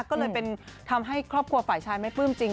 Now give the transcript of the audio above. ก็เลยเป็นทำให้ครอบครัวฝ่ายชายไม่ปลื้มจริง